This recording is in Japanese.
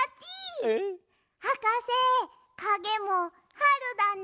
はかせかげもはるだね。